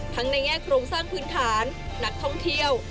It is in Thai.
ในแง่โครงสร้างพื้นฐานนักท่องเที่ยว